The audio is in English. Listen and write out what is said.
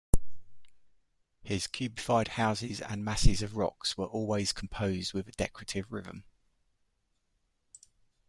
His cubified houses and masses of rocks were always composed with a decorative rhythm.